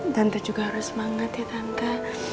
tante juga harus semangat ya tante